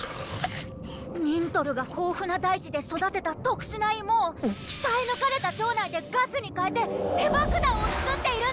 ニントルが豊富な大地で育てた特殊なイモを鍛え抜かれた腸内でガスに変えて屁爆弾を作っているんだ！